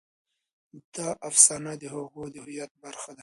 دا افسانه د هغوی د هویت برخه ده.